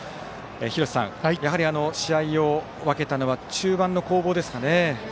廣瀬さん、試合を分けたのは中盤の攻防ですかね。